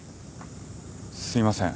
すいません。